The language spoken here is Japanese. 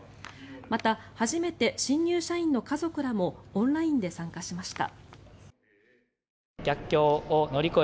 また、初めて新入社員の家族らもオンラインで参加しました。